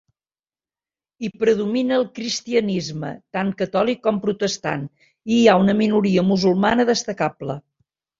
Hi predomina el cristianisme, tant catòlic com protestant, i hi ha una minoria musulmana destacable.